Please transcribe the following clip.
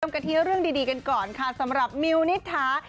เตรียมกระเทียเรื่องดีกันก่อนค่ะสำหรับมิวนิษฐา